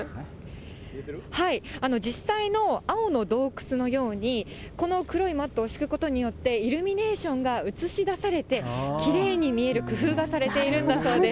実際の青の洞窟のように、この黒いマットを敷くことによって、イルミネーションが映し出されて、きれいに見える工夫がされているんだそうです。